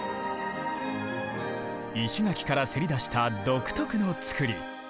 石垣からせり出した独特の造り。